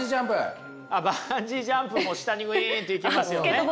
バンジージャンプも下にウィンって行けますよね。